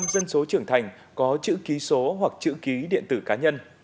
một mươi dân số trưởng thành có chữ ký số hoặc chữ ký điện tử cá nhân